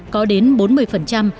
có đến bốn mươi phần